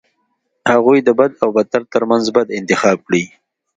هغوی د بد او بدتر ترمنځ بد انتخاب کړي.